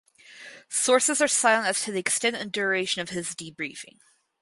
Sources are silent as to the extent and duration of his debriefing.